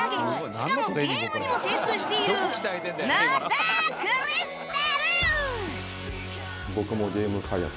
しかもゲームにも精通している野田クリスタル！